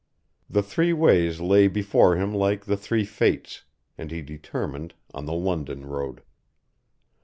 The three ways lay before him like the three Fates, and he determined on the London road.